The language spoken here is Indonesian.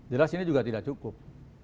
jelas ini juga tidak cukup